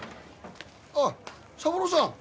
あっ三郎さん。